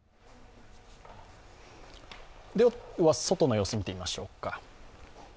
外の様子を見てみましょうか。